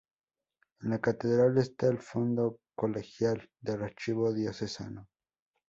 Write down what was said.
En la catedral está el Fondo Colegial del Archivo Diocesano.